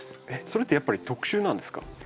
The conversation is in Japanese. えっそれってやっぱり特殊なんですか？